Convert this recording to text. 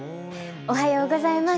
おはようございます。